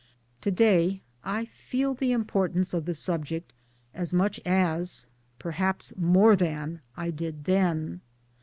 To day I feel the importance of the subject as much as perhaps more than I did then.